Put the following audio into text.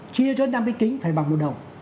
chia cho năm cái kính phải bằng một đồng